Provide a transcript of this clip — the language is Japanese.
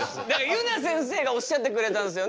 ゆなせんせいがおっしゃってくれたんですよね。